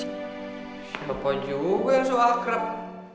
siapa juga yang sokak repi